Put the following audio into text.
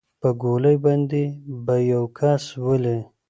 په ګولۍ باندې به يو کس ولې.